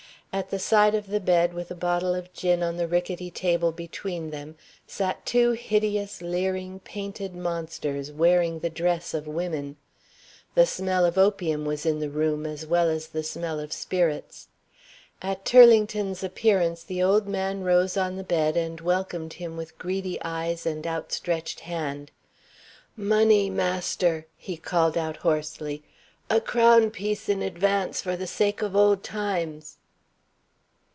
At the side of the bed, with a bottle of gin on the rickety table between them, sat two hideous leering, painted monsters, wearing the dress of women. The smell of opium was in the room, as well as the smell of spirits. At Turlington's appearance, the old man rose on the bed and welcomed him with greedy eyes and outstretched hand. "Money, master!" he called out hoarsely. "A crown piece in advance, for the sake of old times!"